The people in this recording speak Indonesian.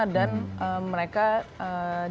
dan mereka juga bisa